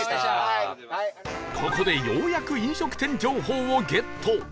ここでようやく飲食店情報をゲット